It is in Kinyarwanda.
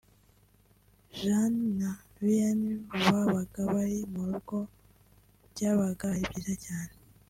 Jeanne na Vianney babaga bari mu rugo byabaga ari byiza cyane